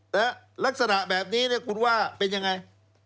แล้วลักษณะแบบนี้เนี่ยคุณว่าเป็นอย่างไร